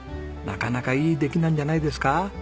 なかなかいい出来なんじゃないですか？